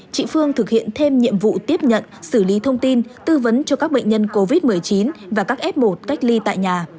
chị phương thực hiện thêm nhiệm vụ tiếp nhận xử lý thông tin tư vấn cho các bệnh nhân covid một mươi chín và các f một cách ly tại nhà